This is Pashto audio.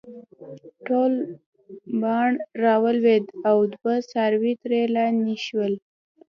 ټول پاڼ راولويد او دوه څاروي ترې لانې شول